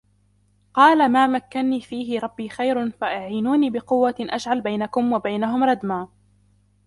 قال ما مكني فيه ربي خير فأعينوني بقوة أجعل بينكم وبينهم ردما